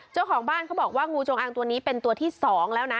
เจ้าของบ้านเขาบอกว่างูจงอางตัวนี้เป็นตัวที่๒แล้วนะ